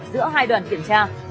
giữa hai đoàn kiểm tra